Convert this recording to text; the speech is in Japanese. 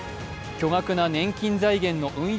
巨額な年金財源の運用